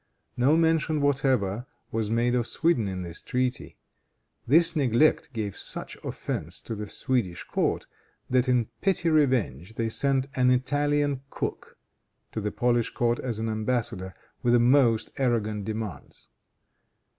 No mention whatever was made of Sweden in this treaty. This neglect gave such offense to the Swedish court, that, in petty revenge, they sent an Italian cook to the Polish court as an embassador with the most arrogant demands.